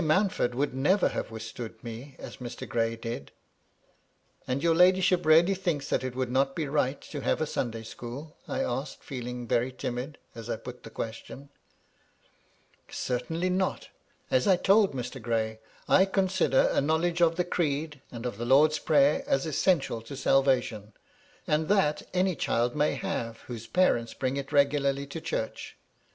Mountford would never have withstood me as Mr. Gray did 1'' " And your ladyship really thinks that it would not be right to have a Sunday school?*' I asked, feeling very timid as I put the question. " Certainly not. As I told Mr. Gray, I consider a knowledge of the Creed, and of the Lord's Prayer, as essential to salvation ; and that any child may have, whose parents bring it regularly to church.